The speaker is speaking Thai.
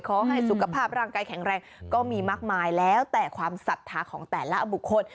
ขอให้สุขภาพร่างกายแข็งแรงก็มีมากมายแล้วแต่ความศรัทธาของแต่ละบุคคล